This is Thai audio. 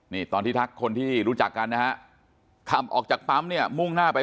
นี่ตอนที่ทักคนที่รู้จักกันนะฮะขับออกจากปั๊มเนี่ยมุ่งหน้าไป